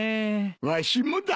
わしもだ。